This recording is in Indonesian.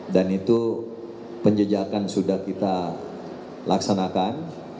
dan itu penjejakan sudah kita laksanakan